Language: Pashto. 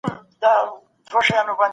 ټولنيز عدالت پرمختګ راولي.